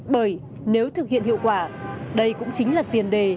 bởi nếu thực hiện hiệu quả đây cũng chính là tiền đề